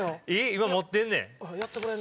今持ってんねん。